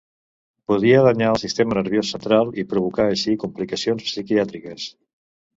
Podia danyar el sistema nerviós central, i provocar així complicacions psiquiàtriques.